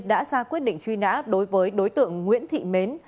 đã ra quyết định truy nã đối với đối tượng nguyễn thị mến